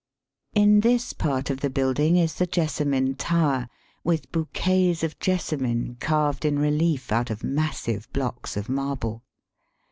In this part of the building is the Jessa mine Tower, with bouquets of jessamine carved in relief out of massive blocks of marble.